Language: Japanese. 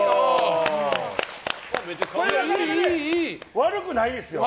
悪くないですよ。